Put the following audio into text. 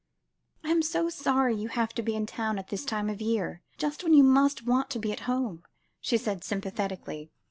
"I am so sorry you have to be in town at this time of the year, just when you must want to be at home," she said sympathetically.